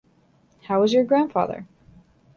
How is your grandfather?